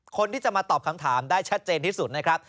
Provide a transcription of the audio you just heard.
คนที่จะมาตอบคำถามได้ชัดเจนที่สุดนะครับ